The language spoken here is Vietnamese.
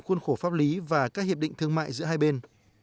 khuôn khổ pháp lý và các hiệp định thương mại giữa hai bên